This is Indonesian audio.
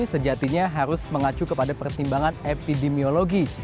sejatinya harus mengacu kepada pertimbangan epidemiologi